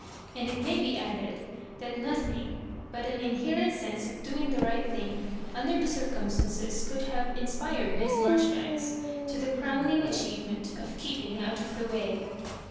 And it may be added that nothkg but an inherent sense of doing the right thing under the circumstances could have in spired Miss i^arjoribanks to the crowning achievement ofr'keeping out of the way.